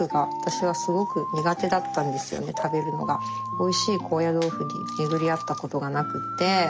おいしい高野豆腐に巡り合ったことがなくて。